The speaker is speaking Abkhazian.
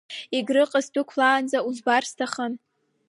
Егрыҟа сдәықәлаанӡа, узбар сҭахын.